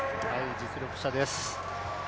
実力者です。